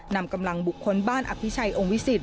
นำกำลังบุคคลบ้านอภิชัยองค์วิสิต